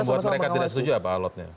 membuat mereka tidak setuju apa alotnya